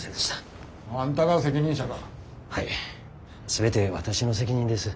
全て私の責任です。